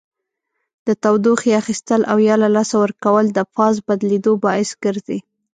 د تودوخې اخیستل او یا له لاسه ورکول د فاز بدلیدو باعث ګرځي.